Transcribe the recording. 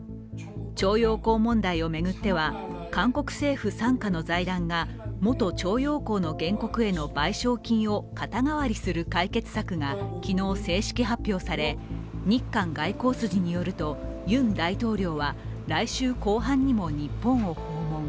徴用工問題を巡っては韓国政府傘下の財団が元徴用工の原告への賠償金を肩代わりする解決策が昨日正式発表され、日韓外交筋によるとユン大統領は、来週後半にも日本を訪問。